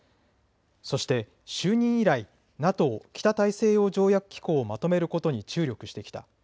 そして就任以来、ＮＡＴＯ・北大西洋条約機構をまとめることに注力してきた。